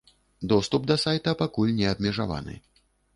Доступ да сайта пакуль не абмежаваны.